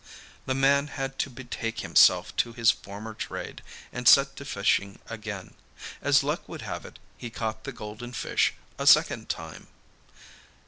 The man had to betake himself to his former trade, and set to fishing again. As luck would have it, he caught the golden fish a second time.